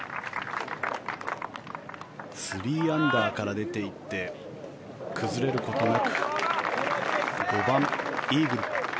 ３アンダーから出ていって崩れることなく５番、イーグル。